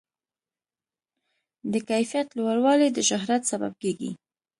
د کیفیت لوړوالی د شهرت سبب کېږي.